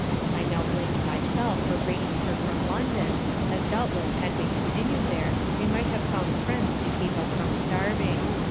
I now blam'd myself for bringing her from London, as doubtless had we continued there we might have found friends to keep us from starving.